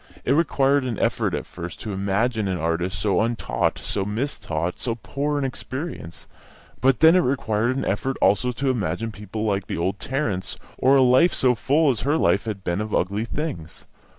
It required an effort at first to imagine an artist so untaught, so mistaught, so poor in experience; but then it required an effort also to imagine people like the old Tarrants, or a life so full as her life had been of ugly things.